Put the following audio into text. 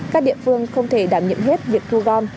các địa phương không thể đảm nhiệm hết việc thu gom